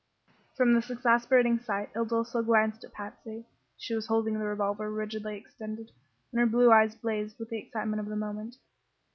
From this exasperating sight Il Duca glanced at Patsy. She was holding the revolver rigidly extended, and her blue eyes blazed with the excitement of the moment.